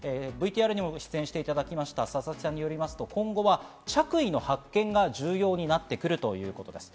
ＶＴＲにも出演していただいた佐々木さんによりますと、今後は着衣の発見が重要になってくるということです。